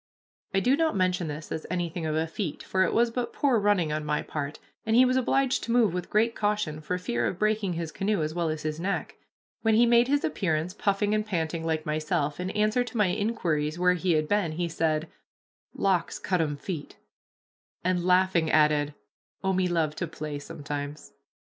I do not mention this as anything of a feat, for it was but poor running on my part, and he was obliged to move with great caution for fear of breaking his canoe as well as his neck. When he made his appearance, puffing and panting like myself, in answer to my inquiries where he had been, he said, "Locks cut 'em feet," and, laughing, added, "Oh, me love to play sometimes."